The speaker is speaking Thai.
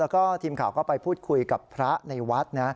แล้วก็ทีมข่าวก็ไปพูดคุยกับพระในวัดนะ